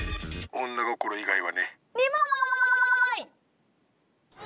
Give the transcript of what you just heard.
女心以外はね。